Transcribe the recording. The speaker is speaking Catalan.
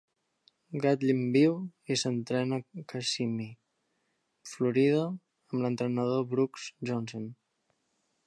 Gatlin viu i s'entrena a Kissimmee, Florida, amb l'entrenador Brooks Johnson.